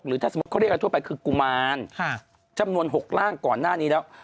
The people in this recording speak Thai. ถ้าสมมุติเขาเรียกอะไรทั่วไปคือกุมารจำนวน๖ร่างก่อนหน้านี้แล้ว